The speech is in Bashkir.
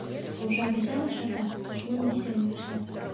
Нужа бесән ашата, дошман бисәң ташлата.